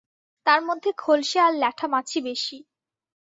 তার মধ্যে খলসে আর ল্যাঠা মাছই বেশি।